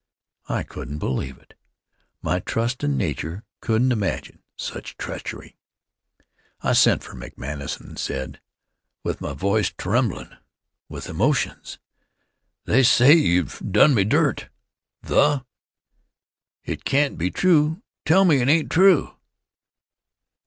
I couldn't believe it. My trustin' nature couldn't imagine such treachery. I sent for McManus and said, with my voice tremblin' with emotions: "They say you have done me dirt, 'The.' It can't be true. Tell me it ain't true."